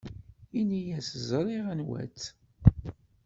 Ini-as ẓriɣ anwa-tt.